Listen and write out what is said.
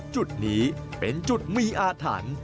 อันที่นี้เป็นดูดมีอาธาร